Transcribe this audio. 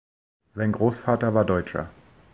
Sein Großvater war Deutscher.